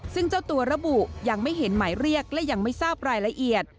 ซึ่งเจ้าตัวระบุยังไม่เห็นหมายเรียกและยังไม่ทราบรายละเอียด